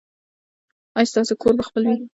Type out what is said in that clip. ایا ستاسو کور به خپل وي؟